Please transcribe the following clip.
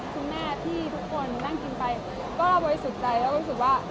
คุณแม่พี่ทุกคนนั่งกินไปก็เรารู้สึกใจแล้วรู้สึกว่า